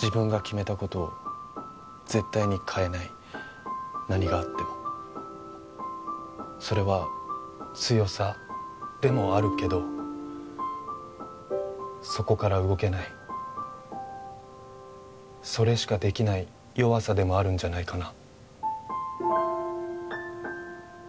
自分が決めたことを絶対に変えない何があってもそれは強さでもあるけどそこから動けないそれしかできない弱さでもあるんじゃないかな？